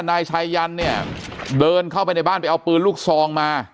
นายชายันเนี่ยเดินเข้าไปในบ้านไปเอาปืนลูกซองมา